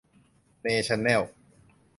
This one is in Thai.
เนชั่นแนล